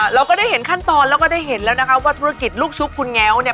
เราก็ได้เห็นขั้นตอนแล้วก็ได้เห็นแล้วนะคะว่าธุรกิจลูกชุบคุณแง้วเนี่ย